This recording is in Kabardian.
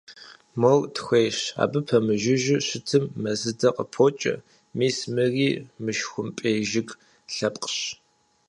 Мор тхуейщ, абы пэмыжыжьэу щытым мэзыдэ къыпокӀэ, мис мыри мышхумпӀей жыг лъэпкъщ.